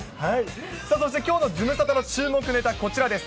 そしてきょうのズムサタの注目ネタ、こちらです。